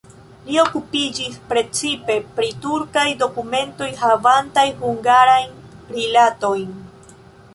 Li okupiĝis precipe pri turkaj dokumentoj havantaj hungarajn rilatojn.